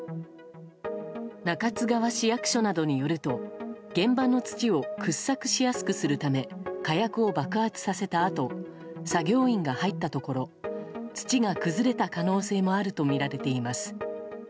中津川市役所などによると現場の土を掘削しやすくするため火薬を爆発させたあと作業員が入ったところ土が崩れた可能性があるとみられています。